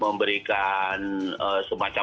memberikan semacam uang muka